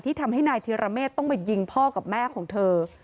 ทำให้นายธิรเมฆต้องมายิงพ่อกับแม่ของเธอ